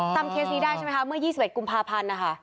เคสนี้ได้ใช่ไหมคะเมื่อ๒๑กุมภาพันธ์นะคะ